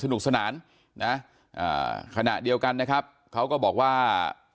นุกสนานนะขณะเดียวกันนะครับเขาก็บอกว่า